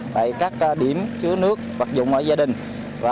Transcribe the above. tại các điểm chứa nước vật dụng ở gia đình